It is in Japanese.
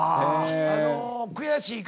あの悔しいから。